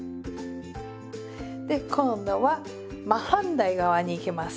で今度は真反対側にいきます。